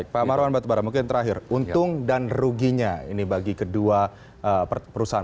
pak marwan batubara mungkin terakhir untung dan ruginya ini bagi kedua perusahaan